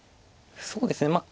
そうですね